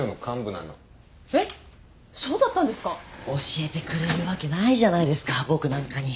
教えてくれるわけないじゃないですか僕なんかに